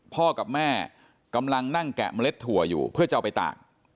พ่อกับแม่กำลังนั่งแกะเมล็ดถั่วอยู่เพื่อจะเอาไปตาก